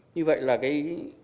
như vậy là cái